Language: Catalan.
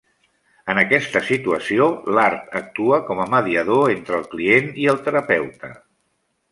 En aquesta situació l'art actua com a mediador entre el client i el terapeuta.